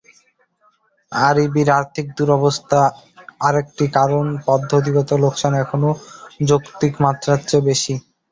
আরইবির আর্থিক দুরবস্থার আরেকটি কারণ পদ্ধতিগত লোকসান এখনো যৌক্তিক মাত্রার চেয়ে বেশি।